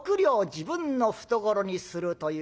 自分の懐にするという。